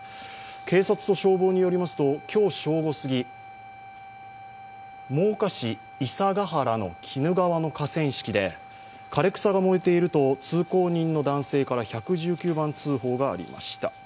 警察と消防によりますと、今日正午すぎ真岡市砂ヶ原の鬼怒川の河川敷で枯れ草が燃えていると通行人の男性から１１９番通報がありました。